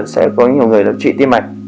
sẽ có nhiều người lập trị tim mạch